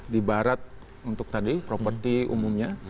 di barat untuk tadi properti umumnya